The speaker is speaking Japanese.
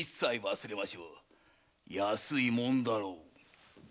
安いもんだろう。